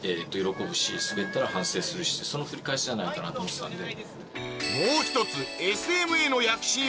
その繰り返しじゃないかなって思ってたんで。